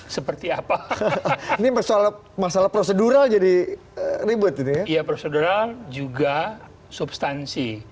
seperti apa ini masalah prosedural jadi ribet prosedural juga substansi